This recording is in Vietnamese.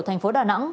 thành phố đà nẵng